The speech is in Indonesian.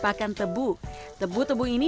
pakan tebu tebu tebu ini